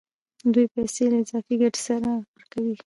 دوی پیسې له اضافي ګټې سره ورکوي